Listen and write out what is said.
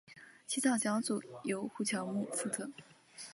起草小组由胡乔木负责。